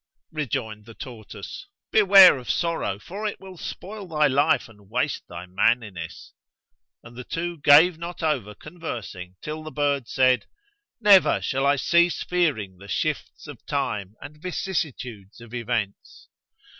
Rejoined the tortoise, "Beware of sorrow, for it will spoil thy life and waste thy manliness." And the two gave not over conversing till the bird said, "Never shall I cease fearing the shifts of time and vicissitudes of events."